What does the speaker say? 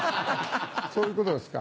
そういうことですか。